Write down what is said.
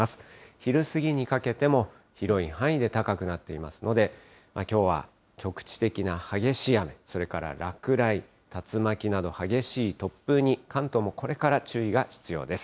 昼過ぎにかけても、広い範囲で高くなっていますので、きょうは局地的な激しい雨、それから落雷、竜巻など激しい突風に、関東もこれから注意が必要です。